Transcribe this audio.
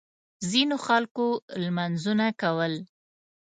ځینو خلکو لمونځونه کول.